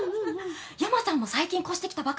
由真さんも最近越してきたばかりよね？